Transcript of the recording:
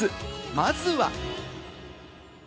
まずは。